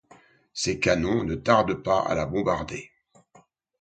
Ses canons ne tardent pas à la bombarder.